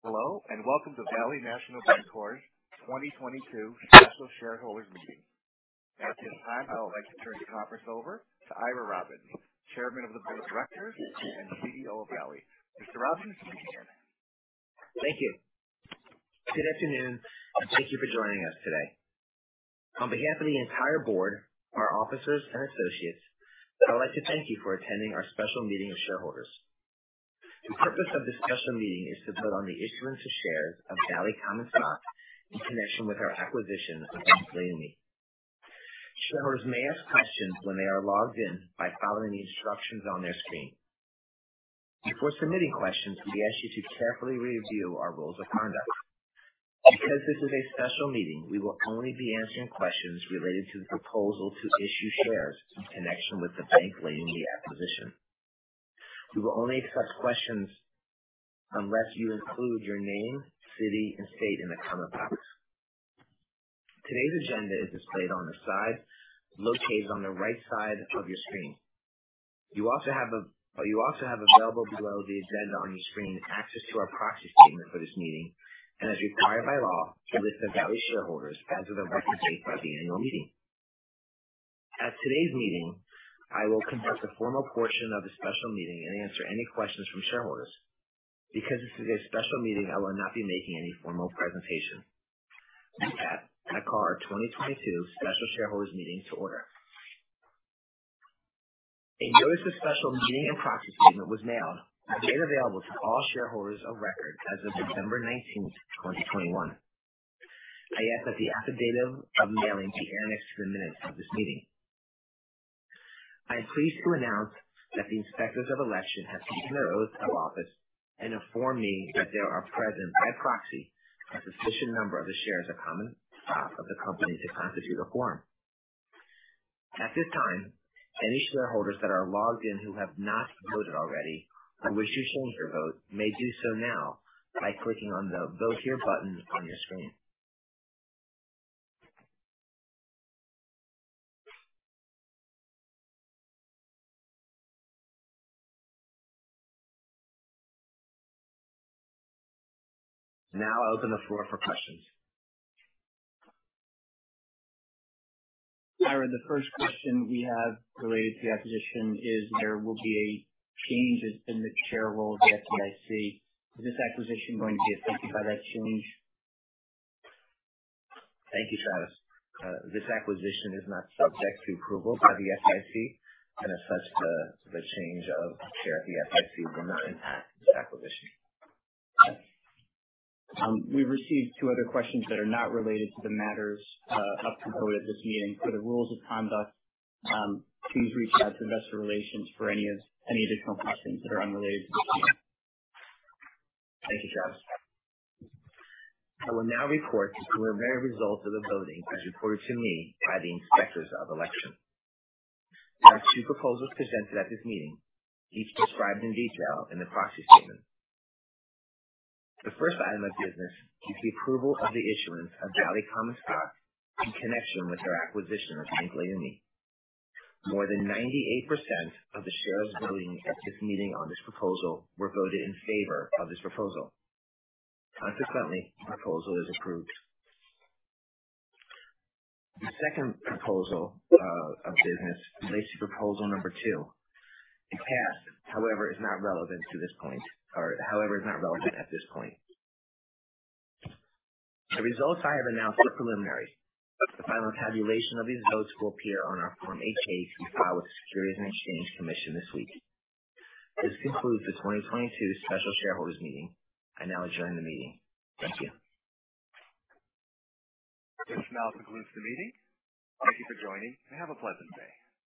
Hello, and welcome to Valley National Bancorp's 2022 Special Shareholders Meeting. At this time, I would like to turn the conference over to Ira Robbins, Chairman of the Board of Directors and CEO of Valley. Mr. Robbins, you may begin. Thank you. Good afternoon, and thank you for joining us today. On behalf of the entire board, our officers, and associates, I'd like to thank you for attending our special meeting of shareholders. The purpose of this special meeting is to vote on the issuance of shares of Valley Common Stock in connection with our acquisition of Bank Leumi USA. Shareholders may ask questions when they are logged in by following the instructions on their screen. Before submitting questions, we ask you to carefully review our rules of conduct. Because this is a special meeting, we will only be answering questions related to the proposal to issue shares in connection with the Bank Leumi USA acquisition. We will only accept questions unless you include your name, city, and state in the comment box. Today's agenda is displayed on the side located on the right side of your screen. You also have available below the agenda on your screen access to our proxy statement for this meeting and, as required by law, a list of Valley shareholders as of the record date for the annual meeting. At today's meeting, I will conduct the formal portion of the special meeting and answer any questions from shareholders. Because this is a special meeting, I will not be making any formal presentation. With that, I call our 2022 Special Shareholders Meeting to order. A notice of special meeting and proxy statement was mailed and made available to all shareholders of record as of December 19, 2021. I ask that the affidavit of mailing be annexed to the minutes of this meeting. I am pleased to announce that the Inspectors of Election have taken their oaths of office and informed me that there are present by proxy a sufficient number of the shares of common stock of the company to constitute a quorum. At this time, any shareholders that are logged in who have not voted already or wish to change their vote may do so now by clicking on the Vote Here button on your screen. Now I open the floor for questions. Ira, the first question we have related to the acquisition is there will be a change in the Chair of the FDIC. Is this acquisition going to be affected by that change? Thank you, Travis. This acquisition is not subject to approval by the FDIC, and as such, the change of chair at the FDIC will not impact this acquisition. We received two other questions that are not related to the matters up to vote at this meeting. Per the rules of conduct, please reach out to Investor Relations for any additional questions that are unrelated to this meeting. Thank you, Travis. I will now report the preliminary results of the voting as reported to me by the Inspectors of Election. There are two proposals presented at this meeting, each described in detail in the proxy statement. The first item of business is the approval of the issuance of Valley Common Stock in connection with our acquisition of Bank Leumi USA. More than 98% of the shares voting at this meeting on this proposal were voted in favor of this proposal. Consequently, the proposal is approved. The second item of business relates to proposal number two. It passed, however, is not relevant at this point. The results I have announced are preliminary. The final tabulation of these votes will appear on our Form 8-K to be filed with the Securities and Exchange Commission this week. This concludes the 2022 Special Shareholders Meeting. I now adjourn the meeting. Thank you. This now concludes the meeting. Thank you for joining, and have a pleasant day.